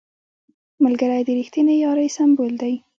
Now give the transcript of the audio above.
ملګری د رښتینې یارۍ سمبول دی